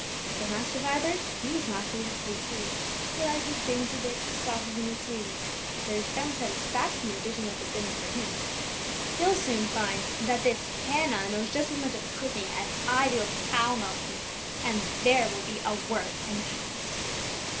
But Master Vibert, he's not so easily pleased; he likes his dainty bits, his sauces, and his sweeties; there is some satisfaction in dishing up a dinner for him! He'll soon find out that this Hannah knows just as much of cooking as I do of cow milking, and there will be a worrit in the house."